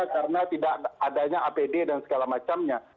karena tidak adanya apd dan segala macamnya